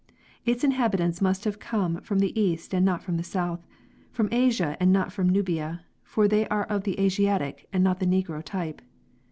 Its inhabitants must have come from the east and not from the south, from Asia and not from Nubia, for they are of the Asiatic and not the Negro type.